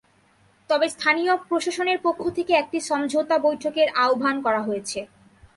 তবে স্থানীয় প্রশাসনের পক্ষ থেকে একটি সমঝোতা বৈঠকের আহ্বান করা হয়েছে।